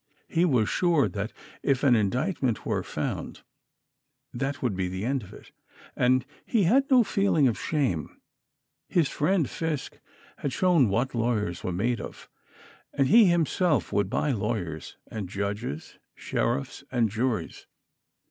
He was sure that if an indictment were found, that would be the end of it, and he had no feeling of shame. His friend Fisk had shown what lawyers were made of, and he himself would buy lawyers and judges, sheriffs and juries.